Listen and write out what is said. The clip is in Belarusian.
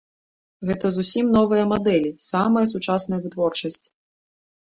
Гэта зусім новыя мадэлі, самая сучасная вытворчасць.